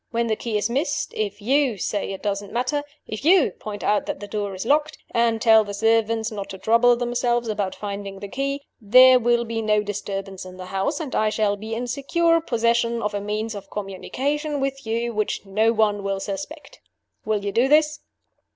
When the key is missed, if you say it doesn't matter if you point out that the door is locked, and tell the servants not to trouble themselves about finding the key there will be no disturbance in the house; and I shall be in secure possession of a means of communication with you which no one will suspect. Will you do this?